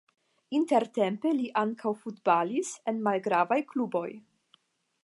Intertempe li ankaŭ futbalis en malgravaj kluboj.